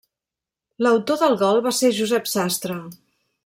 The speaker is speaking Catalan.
L'autor del gol va ser Josep Sastre.